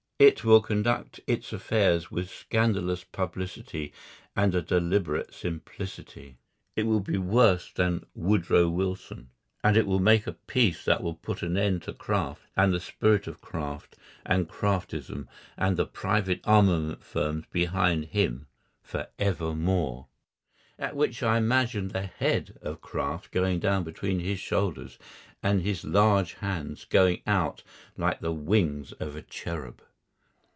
It will conduct its affairs with scandalous publicity and a deliberate simplicity. It will be worse than Woodrow Wilson. And it will make a peace that will put an end to Kraft and the spirit of Kraft and Kraftism and the private armament firms behind him for evermore. At which I imagine the head of Kraft going down between his shoulders and his large hands going out like the wings of a cherub.